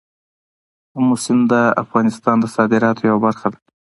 آمو سیند د افغانستان د صادراتو یوه برخه ده.